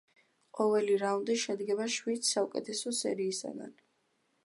ყოველი რაუნდი შედგება შვიდ საუკეთესო სერიისგან.